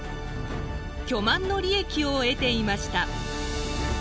巨万の利益を得ていました。